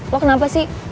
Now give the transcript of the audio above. lo kenapa sih